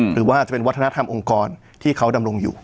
หรือว่าจะเป็นวัฒนธรรมองค์กรที่เขาดำรงอยู่